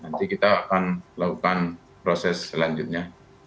jadi nanti kita akan lakukan proses selanjutnya